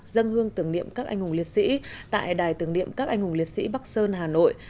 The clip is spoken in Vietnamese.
dân hương tưởng niệm các anh hùng liệt sĩ tại đài tưởng niệm các anh hùng liệt sĩ bắc sơn hà nội